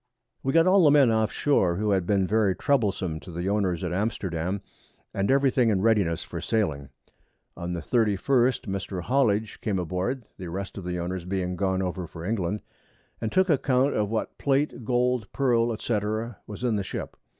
We got all the Men off Shoar, who had been very troublesome to the Owners at Amsterdam, and every thing in Readiness for Sailing. On the 31st Mr. Hollidge came aboard (the rest of the Owners being gone over for England) and took Account of what Plate, Gold, Pearl, &c. was in the Ship.